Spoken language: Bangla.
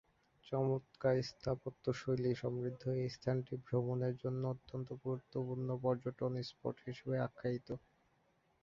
চমৎকার স্থাপত্যশৈলী সমৃদ্ধ এই স্থানটি ভ্রমণের জন্য অত্যন্ত গুরুত্বপূর্ণ পর্যটন স্পট হিসেবে আখ্যায়িত।